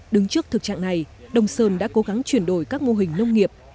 đứng trước thực trạng này đông sơn đã cố gắng chuyển đổi các mô hình nông nghiệp